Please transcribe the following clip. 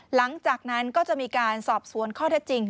หลังจากนั้นก็จะมีการสอบสวนข้อเท็จจริง